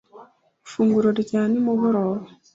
ifunguro rya nimugoroba